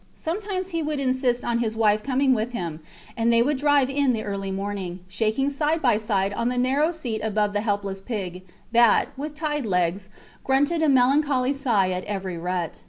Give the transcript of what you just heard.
Sometimes he would insist on his wife coming with him; and they would drive in the early morning, shaking side by side on the narrow seat above the helpless pig, that, with tied legs, grunted a melancholy sigh at every rut.